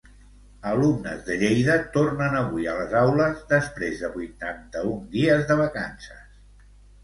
Alumnes de Lleida tornen avui a les aules després de vuitanta-un dies de vacances.